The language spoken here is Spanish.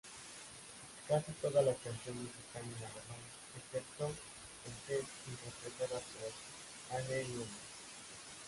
Casi todas las canciones están en alemán, excepto "Senses", interpretada por Anne Nurmi.